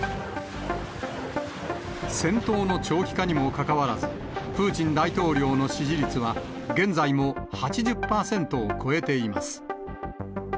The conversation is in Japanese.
戦闘の長期化にもかかわらず、プーチン大統領の支持率は、現在も８０％を超えています。